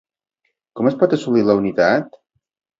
Com es pot assolir la unitat?